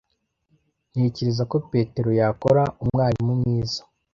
Ntekereza ko Peter yakora umwarimu mwiza.